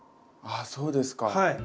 あっそうですか。